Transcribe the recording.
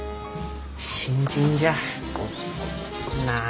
新人じゃあ。